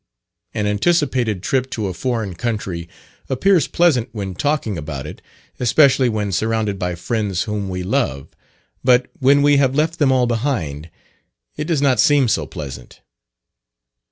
An anticipated trip to a foreign country appears pleasant when talking about it, especially when surrounded by friends whom we love; but when we have left them all behind, it does not seem so pleasant.